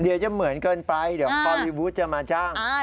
เดี๋ยวจะเหมือนเกินไปเดี๋ยวฮอลลีวูดจะมาจ้าง